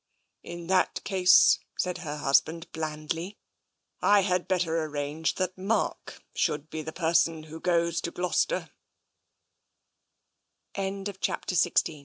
In that case," said her husband blandly, " I had better arrange that Mark should be the person who goes to Glouceste